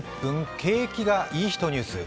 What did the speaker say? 景気がイイ人ニュース」。